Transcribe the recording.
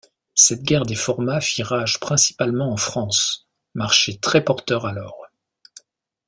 Cette guerre des formats fit rage principalement en France, marché très porteur alors.